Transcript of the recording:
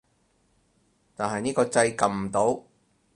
但係呢個掣撳唔到